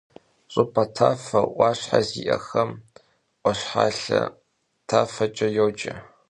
Ş'ıp'e tafeu 'Uaşhe zi'exem — 'Uaşhalhe tafeç'e yoce.